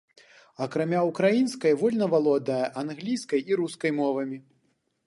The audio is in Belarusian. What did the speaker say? Акрамя ўкраінскай вольна валодае англійскай і рускай мовамі.